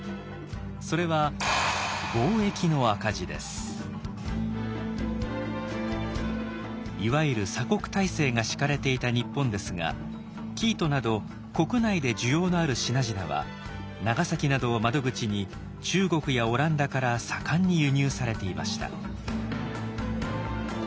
それはいわゆる鎖国体制が敷かれていた日本ですが生糸など国内で需要のある品々は長崎などを窓口に中国やオランダから盛んに輸入されていました。